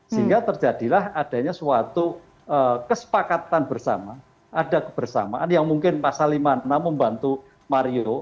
sehingga terjadilah adanya suatu kesepakatan bersama ada kebersamaan yang mungkin pak saliman pernah membantu mario